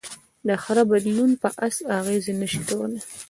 د خره بدلون په آس اغېز نهشي کولی.